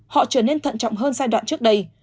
họ trở nên thận trọng hơn giai đoạn trước đây